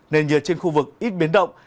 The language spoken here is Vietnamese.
nền nhiệt trên khu vực ít biến động